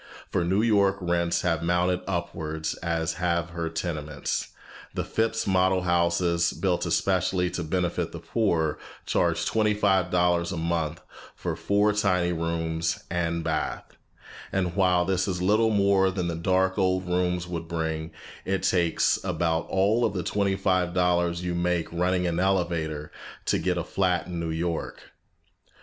For New York rents have mounted upwards as have her tenements. The Phipps model houses, built especially to benefit the poor, charge twenty five dollars a month for four tiny rooms and bath; and while this is a little more than the dark old time rooms would bring, it takes about all of the twenty five dollars you make running an elevator, to get a flat in New York.